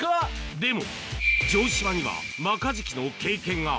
でも、城島にはマカジキの経験が。